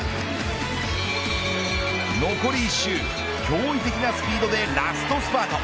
残り１周驚異的なスピードでラストスパート。